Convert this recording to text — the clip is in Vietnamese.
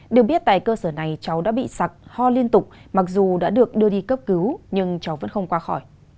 được biết tại cơ sở này cháu đã bị sặc ho liên tục mặc dù đã được đưa đi cấp cứu nhưng cháu vẫn không qua khỏi